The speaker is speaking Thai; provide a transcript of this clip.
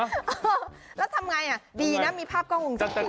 เออแล้วทำไงฮะดีนะมีภาพกองงงกรรมนี้